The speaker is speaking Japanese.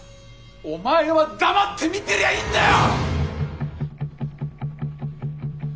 お前は黙って見てりゃいいんだよ！！